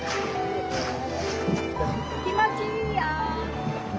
・気持ちいいよ。